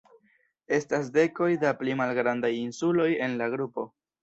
Estas dekoj da pli malgrandaj insuloj en la grupo.